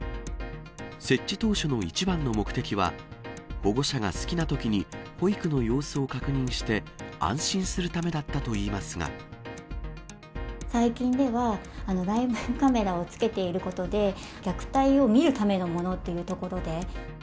設置当初の一番の目的は、保護者が好きなときに保育の様子を確認して、最近では、ライブカメラをつけていることで、虐待を見るためのものというところで。